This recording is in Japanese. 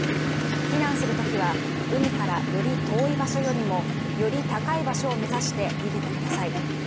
避難するときは、海からより遠い場所よりもより高い場所を目指して逃げてください。